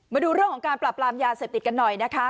มาดูเรื่องของการปราบรามยาเสพติดกันหน่อยนะคะ